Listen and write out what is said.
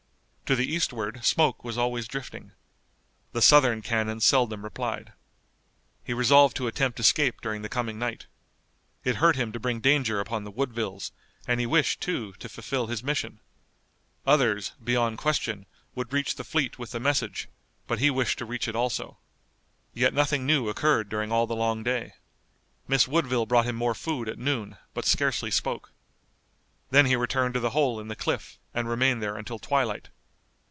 To the eastward smoke was always drifting. The Southern cannon seldom replied. He resolved to attempt escape during the coming night. It hurt him to bring danger upon the Woodvilles and he wished, too, to fulfill his mission. Others, beyond question, would reach the fleet with the message, but he wished to reach it also. Yet nothing new occurred during all the long day. Miss Woodville brought him more food at noon, but scarcely spoke. Then he returned to the hole in the cliff, and remained there until twilight.